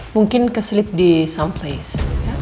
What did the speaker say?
mungkin keselip di some place